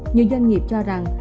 nhiều doanh nghiệp cho rằng